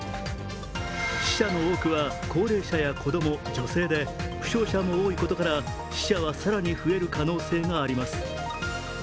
死者の多くは高齢者や子供、女性で負傷者も多いことから、死者は更に増える可能性があります。